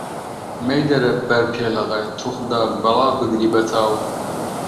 مەیدەرە بەر پێلەقە، توخودا، بڵا بگری بە تاو!